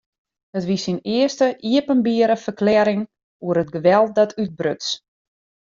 It wie syn earste iepenbiere ferklearring oer it geweld dat útbruts.